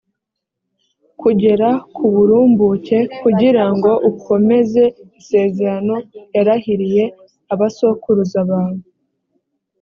kugera ku burumbuke, kugira ngo ukomeze isezerano yarahiriye abasokuruza bawe